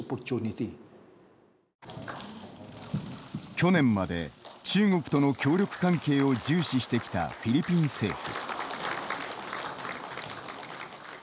去年まで中国との協力関係を重視してきたフィリピン政府。